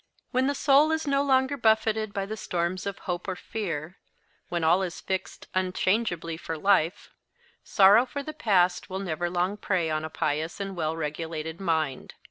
When the soul is no longer buffeted by the storms of hope or fear, when all is fixed unchangeably for life, sorrow for the past will never long prey on a pious and well regulated mind.